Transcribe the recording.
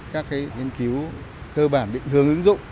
các nghiên cứu cơ bản định hướng ứng dụng